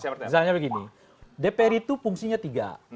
misalnya begini dpr itu fungsinya tiga